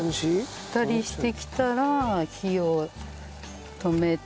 もったりしてきたら火を止めて。